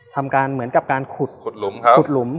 ทำการเหมือนกับการขุดหลุม